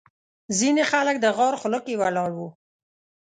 ځینې خلک د غار خوله کې ولاړ وو.